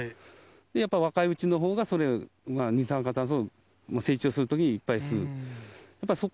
やっぱり若いうちのほうが、それが、二酸化炭素が成長するときにいっぱい吸う。